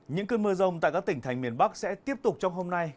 những cơn mưa rông tại các tỉnh thành miền bắc sẽ tiếp tục trong hôm nay